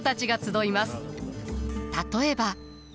例えば。